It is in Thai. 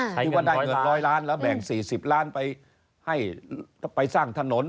เล่าสิว่าได้เงิน๑๐๐ล้านแล้วแบ่ง๔๐ล้านไปสร้างถนน